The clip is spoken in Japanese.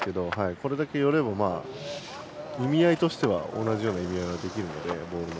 これだけ寄れば意味合いとしては同じような意味合いができるので。